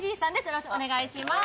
よろしくお願いします